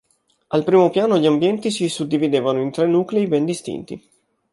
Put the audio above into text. Al primo piano gli ambienti si suddividevano in tre nuclei ben distinti.